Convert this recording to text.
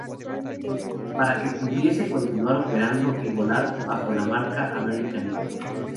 Para que pudiese continuar operando y volando bajo la marca American Eagle.